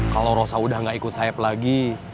kalau rosa udah gak ikut sayap lagi